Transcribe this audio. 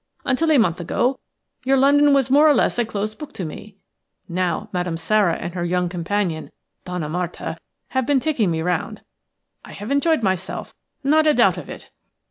Until a month ago your London was more or less a closed book to me. Now, Madame Sara and her young companion, Donna Marta, have been taking me round. I have enjoyed myself, not a doubt of it."